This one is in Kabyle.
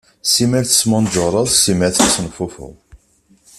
Simmal tesmunjuṛeḍ, simmal tettenfufud.